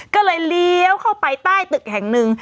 ก็เลยเลี้ยวเข้าไปใต้ตึกแห่งหนึ่ง